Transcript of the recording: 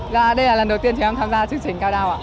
và đây là lần đầu tiên thì em tham gia chương trình cao đao ạ